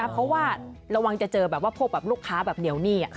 เพราะว่าระวังจะเจอพวกลูกค้าเหนียวหนี้